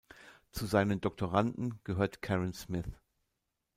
Zu seinen Doktoranden gehört Karen Smith.